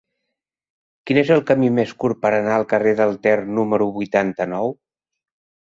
Quin és el camí més curt per anar al carrer del Ter número vuitanta-nou?